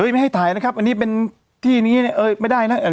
ไม่ให้ถ่ายนะครับอันนี้เป็นที่นี้เนี่ยเออไม่ได้นะ